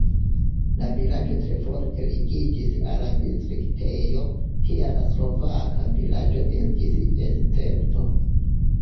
La vilaĝo tre forte ligiĝis al la distriktejo, tial la slovaka vilaĝo estis escepto.